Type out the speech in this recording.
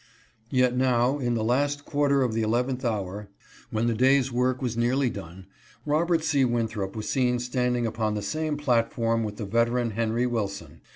* Yet now, in the last quarter of the eleventh hour, when the day's work was nearly done, Robert C. Winthrop was seen standing upon the same platform with the veteran Henry Wilson.